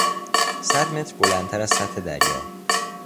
صد متر بلندتر از سطح دریا